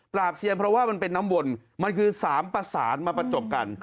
เซียนเพราะว่ามันเป็นน้ำวนมันคือ๓ประสานมาประจบกัน